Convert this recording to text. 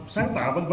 sáng tạo v v